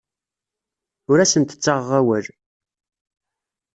Ur asent-ttaɣeɣ awal.